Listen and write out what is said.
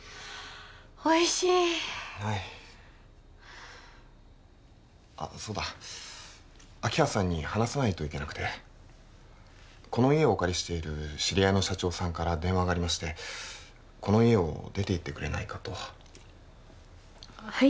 おいしいはいあっそうだ明葉さんに話さないといけなくてこの家をお借りしている知り合いの社長さんから電話がありましてこの家を出ていってくれないかとはい？